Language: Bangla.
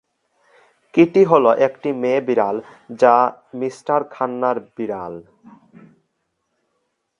কিটি হলো একটি মেয়ে বিড়াল যে মিস্টার খান্নার বিড়াল।